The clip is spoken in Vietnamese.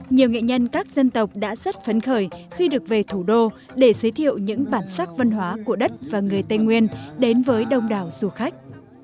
nhiều nghệ nhân các dân tộc đã rất phấn khởi khi được về thủ đô để giới thiệu những bản sắc văn hóa của đất và người tây nguyên đến với đông đảo du khách